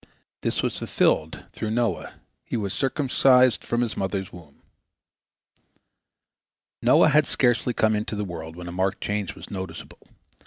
This was fulfilled in Noah, he was circumcised from his mother's womb. Noah had scarcely come into the world when a marked change was noticeable.